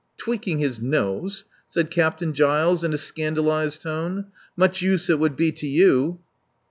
"Tweaking his nose," said Captain Giles in a scandalized tone. "Much use it would be to you."